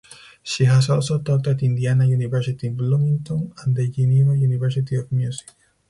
She has also taught at Indiana University Bloomington and the Geneva University of Music.